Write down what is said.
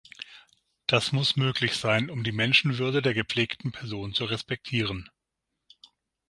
Das muss möglich sein, um die Menschenwürde der gepflegten Person zu respektieren.